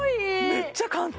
めっちゃ簡単！